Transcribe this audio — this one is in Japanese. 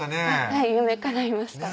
はい夢かないました